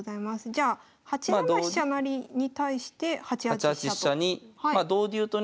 じゃあ８七飛車成に対して８八飛車と。